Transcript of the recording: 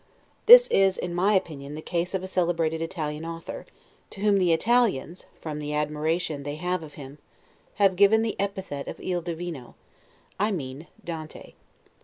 This is, in my opinion, the case of a celebrated Italian author; to whom the Italians, from the admiration they have of him, have given the epithet of il divino; I mean Dante.